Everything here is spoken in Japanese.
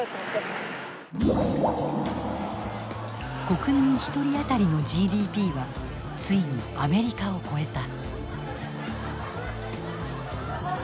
国民１人当たりのＧＤＰはついにアメリカを超えた。